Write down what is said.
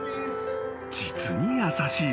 ［実に優しい］